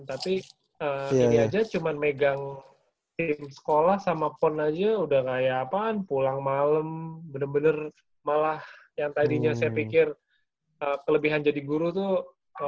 tapi ini aja cuma megang tim sekolah sama pon aja udah kayak apaan pulang malam bener bener malah yang tadinya saya pikir kelebihan jadi guru tuh